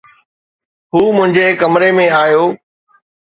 هو منهنجي ڪمري ۾ آيو